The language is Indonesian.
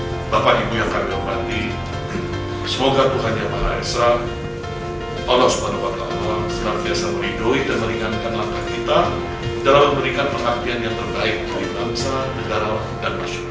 serah biasa meridui dan meringankan langkah kita dalam memberikan pengaktian yang terbaik bagi bangsa negara dan masyarakat